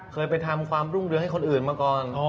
เคยไปทำความรุ่งเรืองให้คนอื่นมาก่อน